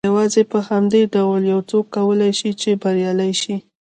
يوازې په همدې ډول يو څوک کولای شي چې بريالی شي.